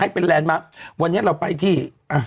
ให้เป็นมาวันนี้เราไปที่